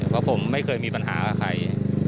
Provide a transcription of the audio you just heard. เพราะผมไม่เคยมีปัญหากับใคร